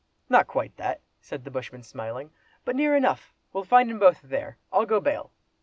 "Not quite that!" said the bushman smiling—"but near enough; we'll find 'em both there, I'll go bail!"